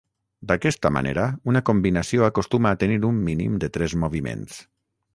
D'aquesta manera, una combinació acostuma a tenir un mínim de tres moviments.